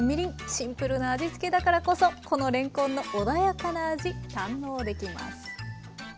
シンプルな味付けだからこそこのれんこんの穏やかな味堪能できます。